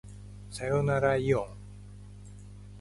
さよならいおん